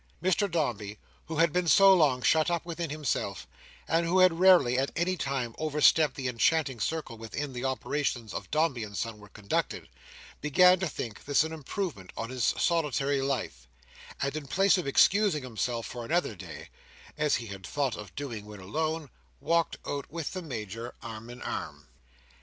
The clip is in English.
Mr Dombey, who had been so long shut up within himself, and who had rarely, at any time, overstepped the enchanted circle within which the operations of Dombey and Son were conducted, began to think this an improvement on his solitary life; and in place of excusing himself for another day, as he had thought of doing when alone, walked out with the Major arm in arm.